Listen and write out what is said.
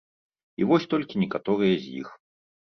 І вось толькі некаторыя з іх.